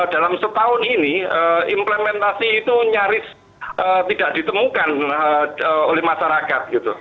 dalam setahun ini implementasi itu nyaris tidak ditemukan oleh masyarakat